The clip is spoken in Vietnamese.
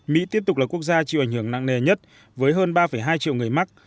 mỹ tiếp tục là quốc gia chịu ảnh hưởng nặng nề nhất với hơn ba hai triệu người mắc